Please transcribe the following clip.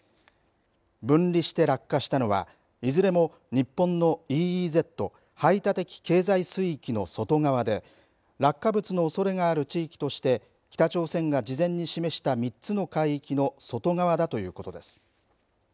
分離して落下したのは、いずれも日本のＥＥＺ、排他的経済水域の外側で落下物のおそれがある地域として北朝鮮が事前に示した３つの海域の外側だということです。